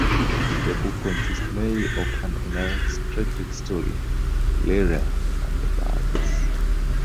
The book consists mainly of an illustrated short story, "Lyra and the Birds".